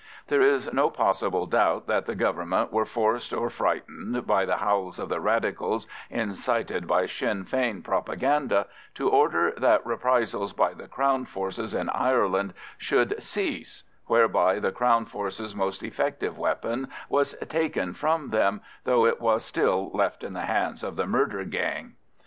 There is no possible doubt that the Government were forced or frightened, by the howls of the Radicals, incited by Sinn Fein propaganda, to order that reprisals by the Crown forces in Ireland should cease, whereby the Crown forces' most effective weapon was taken from them, though it was still left in the hands of the murder gang.